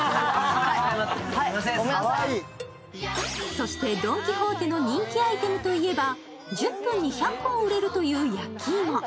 そして、ドン・キホーテの人気アイテムといえば、１０分に１００本売れるという焼き芋。